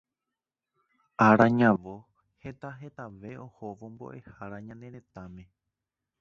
Ára ñavõ heta hetave ohóvo mbo'ehára ñane retãme